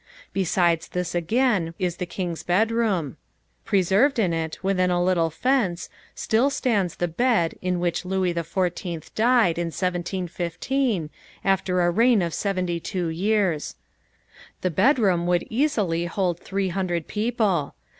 Besides this again is the King's bedroom. Preserved in it, within a little fence, still stands the bed in which Louis XIV died in 1715, after a reign of seventy two years. The bedroom would easily hold three hundred people.